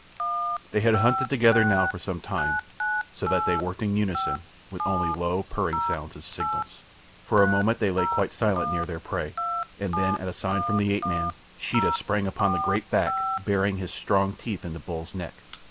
They had hunted together now for some time, so that they worked in unison, with only low, purring sounds as signals. For a moment they lay quite silent near their prey, and then at a sign from the ape man Sheeta sprang upon the great back, burying his strong teeth in the bull's neck.